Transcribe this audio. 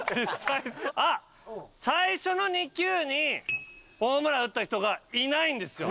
あっ最初の２球にホームラン打った人がいないんですよ。